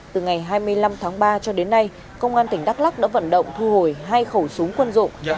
từ ngày hai mươi năm tháng ba cho đến nay công an tỉnh đắk lắc đã vận động thu hồi hai khẩu súng quân dụng